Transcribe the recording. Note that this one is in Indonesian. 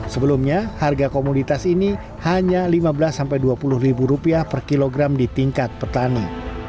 sebelumnya harga komoditas ini hanya lima belas dua puluh ribu rupiah per kilogram di tingkat petani